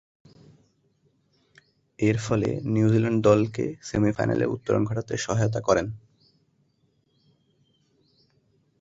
এরফলে নিউজিল্যান্ড দলকে সেমি-ফাইনালে উত্তরণ ঘটাতে সহায়তা করেন।